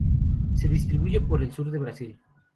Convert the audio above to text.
Se distribuyen por el sur de Brasil.